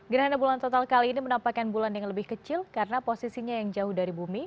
gerhana bulan total kali ini menampakkan bulan yang lebih kecil karena posisinya yang jauh dari bumi